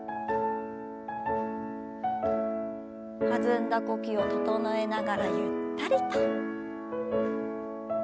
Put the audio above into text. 弾んだ呼吸を整えながらゆったりと。